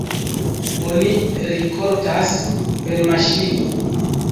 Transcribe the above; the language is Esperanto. Oni rikoltas per maŝino.